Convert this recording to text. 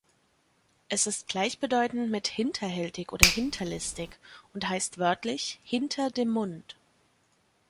Es ist gleichbedeutend mit „hinterhältig“ oder „hinterlistig“ und heißt wörtlich „hinter dem Mund“.